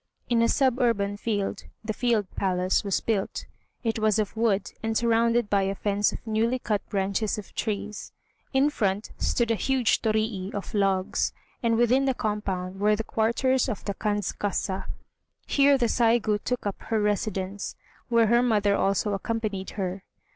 In a suburban field the "field palace" was built. It was of wood, and surrounded by a fence of newly cut branches of trees. In front stood a huge torii of logs, and within the compound were the quarters of the Kandzkasa. Here the Saigû took up her residence, where her mother also accompanied her.